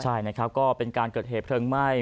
ใช่นะครับก็เป็นการเกิดเหตุเพลิงไหม้